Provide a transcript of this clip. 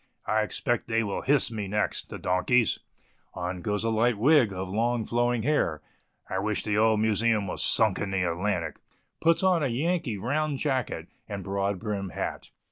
"I expect they will hiss me next, the donkeys" (on goes a light wig of long, flowing hair). "I wish the old Museum was sunk in the Atlantic" (puts on a Yankee round jacket, and broadbrimmed hat).